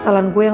pagi rara yucin